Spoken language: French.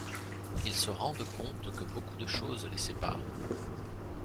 Ils se rendent compte que beaucoup de choses les séparent.